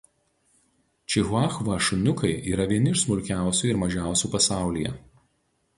Čihuahua šuniukai yra vieni iš smulkiausių ir mažiausių pasaulyje.